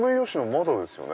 まだですよね。